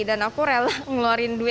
dan aku rela ngeluarin duit